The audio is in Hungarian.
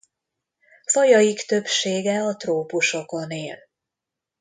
Fajaik többsége a trópusokon él.